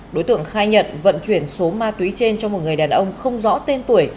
đối tượng khai nhận vận chuyển số ma túy trên cho một người đàn ông không rõ tên tuổi